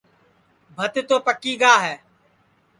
بھت تو پکی گا ہے